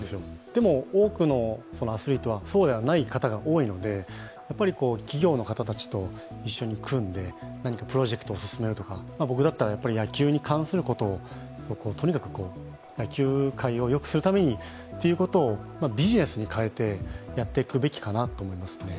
でも多くのアスリートってそうではない方が多いので企業の方たちと一緒に組んで、何かプロジェクトを進めるとか、僕だったら野球に関することを、とにかく野球界をよくするためにということをビジネスに変えてやっていくべきかなと思いますね。